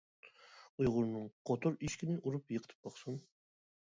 ئۇيغۇرنىڭ قوتۇر ئىشىكىنى ئۇرۇپ يىقىتىپ باقسۇن.